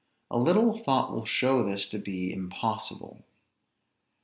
A little thought will show this to be impossible.